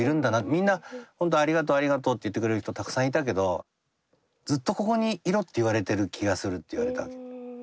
みんなほんとありがとうありがとうって言ってくれる人たくさんいたけど「ずっとここにいろって言われてる気がする」って言われたわけ。